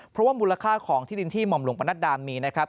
เพราะว่ามูลค่าของที่ดินที่หม่อมหลวงประนัดดามีนะครับ